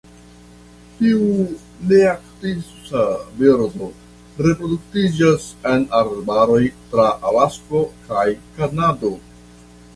Tiu nearktisa birdo reproduktiĝas en arbaroj tra Alasko kaj Kanado.